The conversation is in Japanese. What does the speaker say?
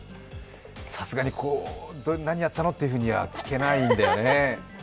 さすがに、何やったの？っていうふうには聞けないんだよね。